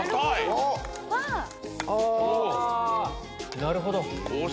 なるほど。